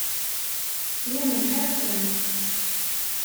Yumen Ḥasan.